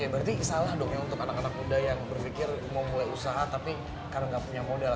oke berarti salah dong ya untuk anak anak muda yang berpikir mau mulai usaha tapi karena nggak punya modal